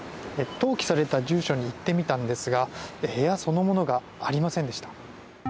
登記された住所に行ってみたんですが部屋そのものがありませんでした。